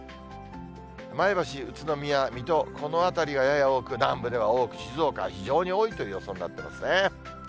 前橋、宇都宮、水戸、この辺りはやや多く、南部では多く、静岡は非常に多いという予想になってますね。